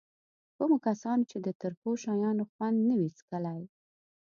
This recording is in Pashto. کومو کسانو چې د ترخو شیانو خوند نه وي څکلی.